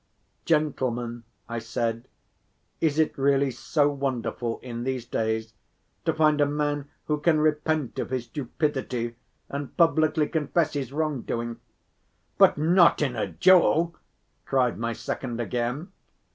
"Gentlemen," I said, "is it really so wonderful in these days to find a man who can repent of his stupidity and publicly confess his wrongdoing?" "But not in a duel," cried my second again.